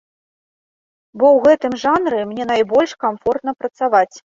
Бо ў гэтым жанры мне найбольш камфортна працаваць.